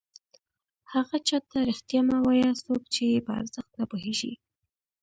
هغه چاته رښتیا مه وایه څوک چې یې په ارزښت نه پوهېږي.